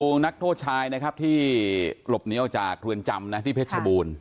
โรงนักโทษชายที่หลบเหนียวจากเรือนจำที่เพชรชบูรณ์